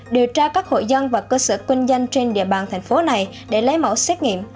điều tra các hội dân và cơ sở kinh doanh trên địa bàn thành phố này để lấy mẫu xét nghiệm